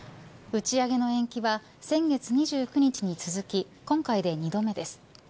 打ち上げの延期は先月２９日に続き今回で２度目です。